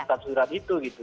tersirat sirat itu gitu